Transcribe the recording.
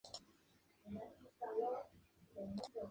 Cuenta con dos salas de exposición distribuidas en una sola planta.